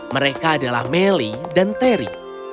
mereka adalah melly dan terry